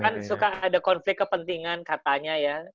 kan suka ada konflik kepentingan katanya ya